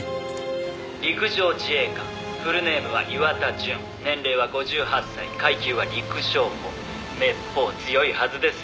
「陸上自衛官フルネームは岩田純年齢は５８歳階級は陸将補」「めっぽう強いはずですよ」